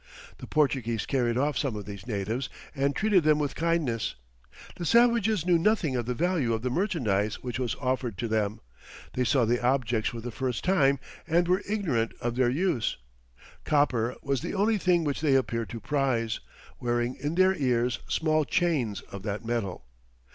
The Portuguese carried off some of these natives, and treated them with kindness. The savages knew nothing of the value of the merchandize which was offered to them, they saw the objects for the first time and were ignorant of their use. Copper was the only thing which they appeared to prize, wearing in their ears small chains of that metal.